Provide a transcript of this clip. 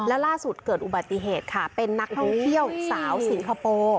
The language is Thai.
แล้วล่าสุดเกิดอุบัติเหตุค่ะเป็นนักท่องเที่ยวสาวสิงคโปร์